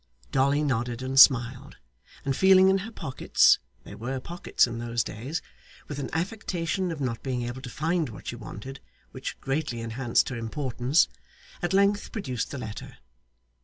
Dolly nodded and smiled, and feeling in her pockets (there were pockets in those days) with an affectation of not being able to find what she wanted, which greatly enhanced her importance, at length produced the letter.